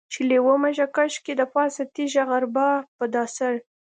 چې لېوه مږه کش کي دپاسه تيږه غربا په دا سر.